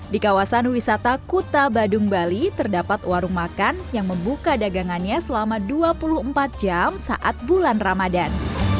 di kawasan wisata kuta badung bali terdapat warung makan yang membuka dagangannya selama dua puluh empat jam saat bulan ramadan